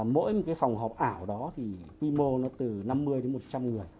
mỗi phòng học ảo đó quy mô từ năm mươi đến một trăm linh người